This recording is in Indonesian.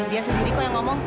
dia sendiri kok yang ngomong